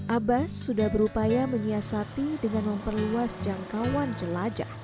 abas sudah berupaya menyiasati dengan memperluas jangkauan jelajah